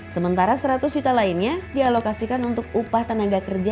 sementara seratus juta lainnya dialokasikan untuk upah tenaga kerja